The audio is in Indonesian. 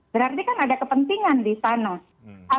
berarti kan ada kepentingan di sana